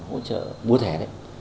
hỗ trợ mua thẻ đấy